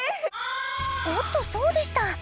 おっとそうでした！